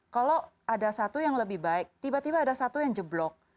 kalau ada satu yang lebih baik tiba tiba ada satu yang jeblok